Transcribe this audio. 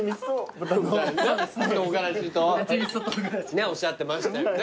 ねっおっしゃってましたよね。